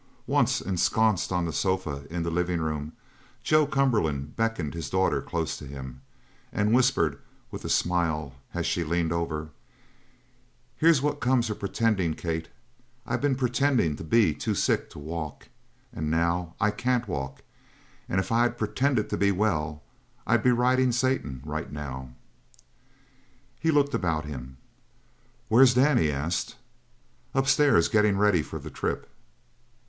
Once ensconced on the sofa in the living room Joe Cumberland beckoned his daughter close to him, and whispered with a smile as she leaned over: "Here's what comes of pretendin', Kate. I been pretending to be too sick to walk, and now I can't walk; and if I'd pretended to be well, I'd be ridin' Satan right now!" He looked about him. "Where's Dan?" he asked. "Upstairs getting ready for the trip."